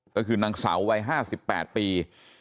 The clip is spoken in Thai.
ก็คือนางสาววัย๕๘ปี